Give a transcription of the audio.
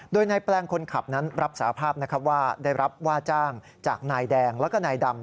โดยนายแปลงคนขับนั้นรับสาภาพได้รับว่าจ้างจากนายแดงและนายดำ